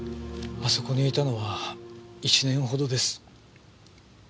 あそこにいたのは１年ほどです。